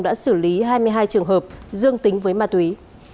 đã xử lý hai mươi hai trường hợp dương tính với ma túy